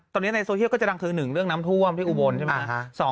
ตอนนี้ในโซเชียลก็จะดังคือ๑เรื่องน้ำท่วมที่อุบลใช่ไหม